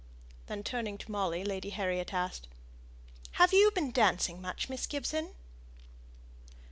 Then turning to Molly Lady Harriet asked, "Have you been dancing much, Miss Gibson?"